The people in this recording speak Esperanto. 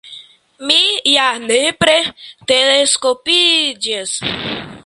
mi ja nepre teleskopiĝas!